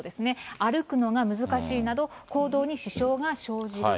歩くのが難しいなど、行動に支障が生じる。